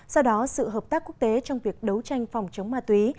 do đó sự hợp tác quốc tế trong việc đấu tranh phòng chống ma túy